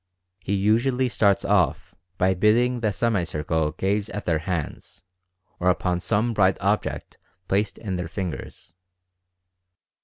He usually starts off by bidding the 138 Mental Fascination semi circle gaze at their hands, or upon some bright object placed in their fingers.